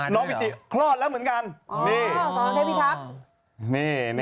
น้องบิธีคลอดแล้วเหมือนกัน